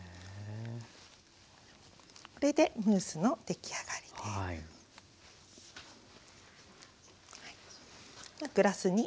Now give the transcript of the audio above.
これでムースの出来上がりです。